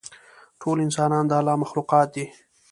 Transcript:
ټول انسانان د الله مخلوقات دي.